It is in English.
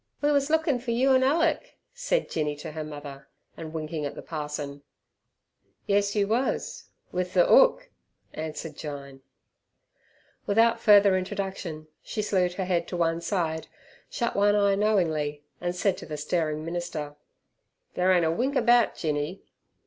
"We wus lookin' fer you an' Alick," said Jinny to her mother, and winking at the parson. "Yes, you wus with ther 'ook," answered Jyne. Without further introduction she slewed her head to one side, shut one eye knowingly, and said to the staring minister, "Ther ain't a wink about Jinny."